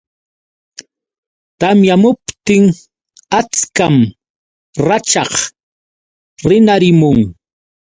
Tamyamuptin achkan rachaq rinarimun.